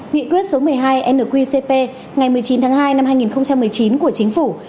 nghị quyết số một mươi hai nqcp ngày một mươi chín tháng hai năm hai nghìn một mươi chín của chính phủ